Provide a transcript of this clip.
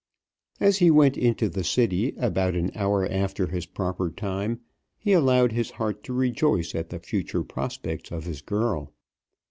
As he went into the City, about an hour after his proper time, he allowed his heart to rejoice at the future prospects of his girl.